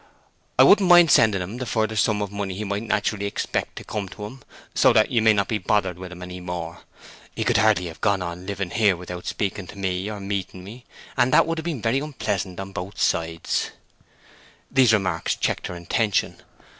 I wouldn't mind sending him the further sum of money he might naturally expect to come to him, so that you may not be bothered with him any more. He could hardly have gone on living here without speaking to me, or meeting me; and that would have been very unpleasant on both sides." These remarks checked her intention.